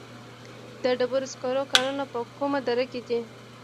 د ډبرو سکرو کانونه په کومه دره کې دي؟